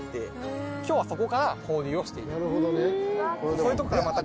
そういうとこからまた。